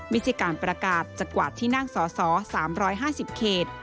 ไม่ใช่การประกาศจะกวาดที่นั่งสอสอ๓๕๐เขต